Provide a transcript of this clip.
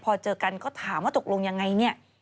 พอเจอกันก็ถามว่าตกลงยังไงเนี่ย